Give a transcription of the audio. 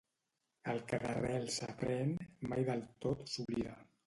El que d'arrel s'aprèn, mai del tot s'oblida